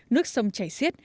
nước sông chảy xiết